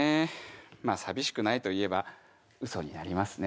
まあ寂しくないと言えばうそになりますね。